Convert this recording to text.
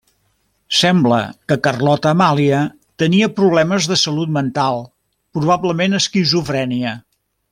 Sembla que Carlota Amàlia tenia problemes de salut mental, probablement esquizofrènia.